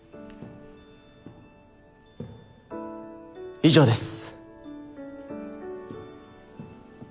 以上です。